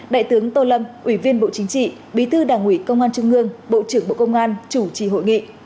đại tướng tô lâm ủy viên bộ chính trị bí thư đảng ủy công an trung ương bộ trưởng bộ công an chủ trì hội nghị